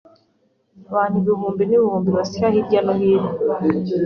Abantu ibihumbi n'ibihumbi basya hirya no hino.